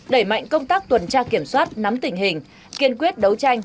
đẩy mạnh công tác tuần tra kiểm soát nắm tình hình kiên quyết đấu tranh